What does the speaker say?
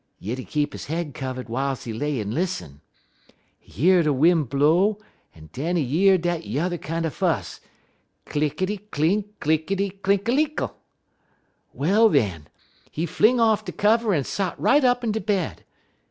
"Yit he keep his head kivvud w'iles he lay en lissen. He year de win' blow, en den he year dat yuther kinder fuss Clinkity, clink, clinkity, clinkalinkle! Well, den, he fling off de kivver en sot right up in de bed.